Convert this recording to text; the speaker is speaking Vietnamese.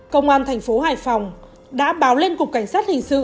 công an thành phố hải phòng đã báo lên cục cảnh sát hình sự